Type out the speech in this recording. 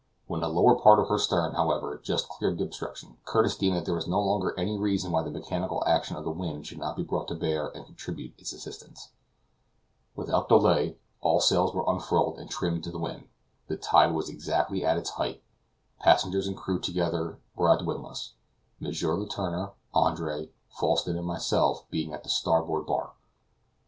When the lowest part of her stern, however, just cleared the obstruction, Curtis deemed that there was no longer any reason why the mechanical action of the wind should not be brought to bear and contribute its assistance. Without delay, all sails were unfurled and trimmed to the wind. The tide was exactly at its height, passengers and crew together were at the windlass, M. Letourneur, Andre, Falsten, and myself being at the starboard bar.